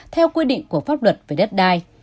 theo quy định của pháp luật về đất đai